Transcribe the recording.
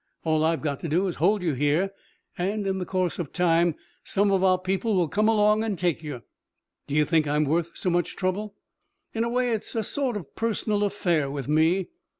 All I've got to do is to hold you here, and in the course of time some of our people will come along and take you." "Do you think I'm worth so much trouble?" "In a way it's a sort of personal affair with me.